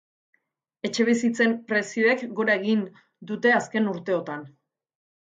Etxebizitzen prezioek gora egin dute azken urteotan.